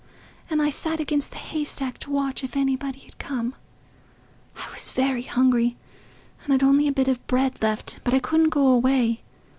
And I sat against the haystack to watch if anybody 'ud come. I was very hungry, and I'd only a bit of bread left, but I couldn't go away.